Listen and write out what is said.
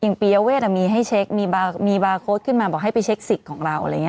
อย่างปริยาเวทย์มีให้เช็คมีบาร์โค้ดขึ้นมาบอกให้ไปเช็คสิทธิ์ของเรา